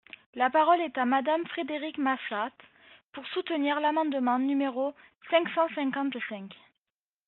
La parole est à Madame Frédérique Massat, pour soutenir l’amendement numéro cinq cent cinquante-cinq.